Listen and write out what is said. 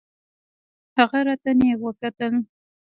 هغه راته نېغ وکتل.